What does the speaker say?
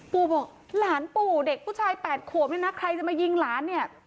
ปู่บอกหลานปู่เด็กผู้ชาย๘ขวบเนี่ยนะใครจะมายิงหลานเนี่ย